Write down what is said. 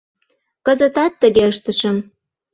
Кызытат тыге ыштышым.